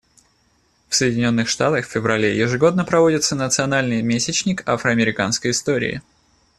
В Соединенных Штатах в феврале ежегодно проводится национальный месячник афро-американской истории.